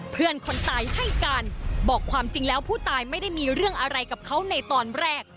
เพื่อนคนตายให้การบอกความจริงแล้วผู้ตายไม่ได้มีเรื่องอะไรกับเขาในตอนแรก